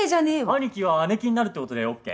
兄貴は姉貴になるってことでＯＫ？